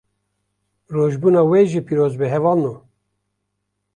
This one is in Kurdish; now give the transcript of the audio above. Rojbûna we jî piroz be hevalno